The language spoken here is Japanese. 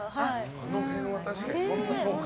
あの辺は確かに、そうか。